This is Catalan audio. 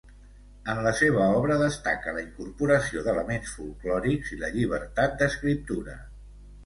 En la seva obra destaca la incorporació d'elements folklòrics i la llibertat d'escriptura.